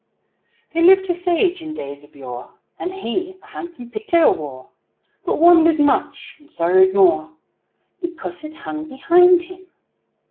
There lived a sage in days of yore And he a handsome pigtail wore; But wondered much and sorrowed more Because it hung behind him.